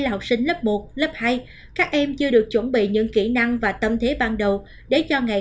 là học sinh lớp một lớp hai các em chưa được chuẩn bị những kỹ năng và tâm thế ban đầu để cho ngày